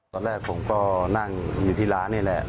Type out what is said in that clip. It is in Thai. ตอนแรกผมก็นั่งอยู่ที่ร้านนี่แหละ